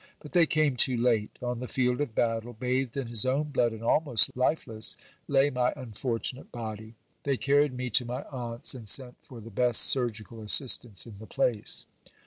But they came too late : on the field of battle, bathed in his own blood and almost lifeless, lay my unfortunate body. They carried me to my aunt's, and sent for the best surgical assistance in the place.